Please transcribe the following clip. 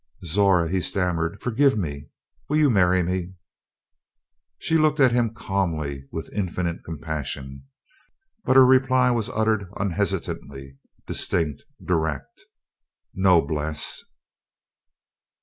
"Zora!" he stammered, "forgive me! Will you marry me?" She looked at him calmly with infinite compassion. But her reply was uttered unhesitantly; distinct, direct. "No, Bles."